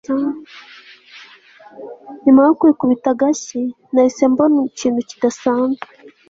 nyuma yo kwikubita agashyi, nahise mbona ikintu kidasanzwe